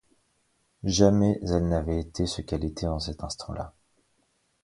Jamais elle n’avait été ce qu’elle était en cet instant-là.